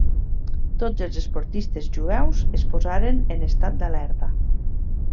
Tots els esportistes jueus es posaren en estat d'alerta.